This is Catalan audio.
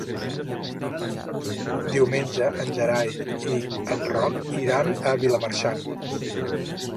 Diumenge en Gerai i en Roc iran a Vilamarxant.